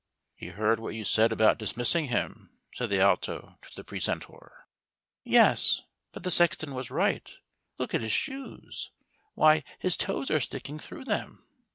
" He heard what you said about dismissing him," said the Alto to the precentor. "Yes; but the sexton was right. Look at his shoes — why, his toes are sticking through them."